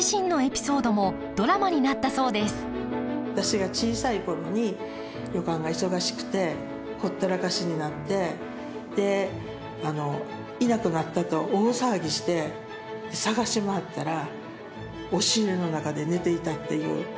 私が小さい頃に旅館が忙しくてほったらかしになってでいなくなったと大騒ぎして捜し回ったら押し入れの中で寝ていたっていう。